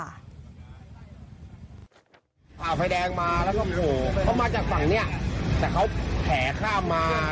ฝ่าไฟแดงมาแล้วก็โผล่เขามาจากฝั่งเนี้ยแต่เขาแผ่ข้ามมา